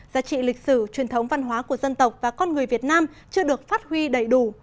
giá trị lịch sử truyền thống văn hóa của dân tộc và con người việt nam chưa được phát huy đầy đủ